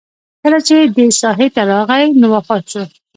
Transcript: کله چې دې ساحې ته راغی نو وفات شو.